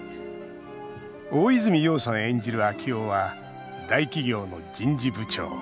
大泉洋さん演じる昭夫は大企業の人事部長。